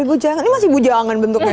ini masih bujangan bentuknya